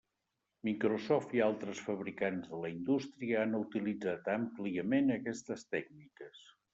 Microsoft i altres fabricants de la indústria han utilitzat àmpliament aquestes tècniques.